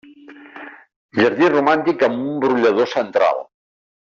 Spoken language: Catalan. Jardí romàntic amb un brollador central.